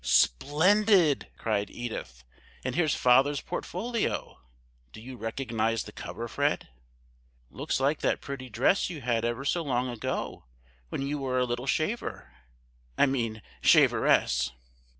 "Splendid!" cried Edith. "And here's father's portfolio. Do you recognize the cover, Fred?" "Looks like that pretty dress you had ever so long ago, when you were a little shaver,—I mean shaveress!"